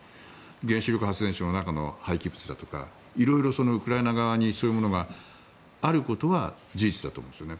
原子力発電所の中の廃棄物だとか色々、ウクライナ側にそういうものがあることは事実だと思うんですよね。